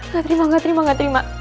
saya terima gak terima gak terima